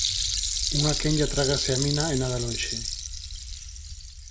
Unha quenlla trágase a mina e nada lonxe.